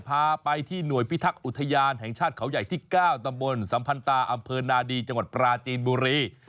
พาไปที่หน่วยพิทักษ์อุทยานแห่งชาติเขาใหญ่ที่๙ตำบลสัมพันตาอำเภอนาดีจังหวัดปราจีนบุรี